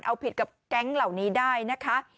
เอาผิดกับแก๊งเหล่านี้ได้นะคะ